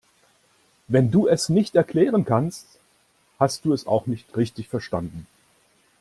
Wenn du es nicht erklären kannst, hast du es auch nicht richtig verstanden.